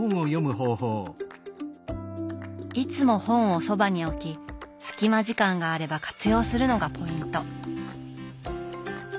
いつも本をそばに置き隙間時間があれば活用するのがポイント。